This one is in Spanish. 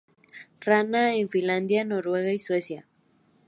Rara en Finlandia, Noruega y Suecia.